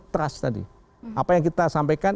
trust tadi apa yang kita sampaikan